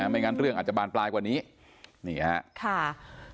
ไม่งั้นเรื่องอาจจะบานปลายกว่านี้นี่ฮะค่ะ